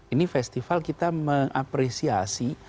ini festival kita mengapresiasi